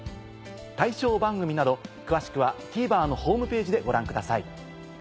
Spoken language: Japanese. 対象番組など詳しくはＴＶｅｒのホームページでご覧ください。